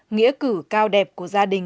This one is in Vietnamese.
nghĩa cử cao đẹp của gia đình